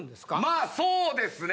まあそうですね。